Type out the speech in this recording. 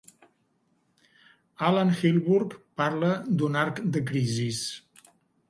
Alan Hilburg parla d'un arc de crisis.